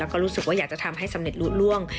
แล้วก็รู้สึกอยากจะทำให้สำเร็จรูบร่วม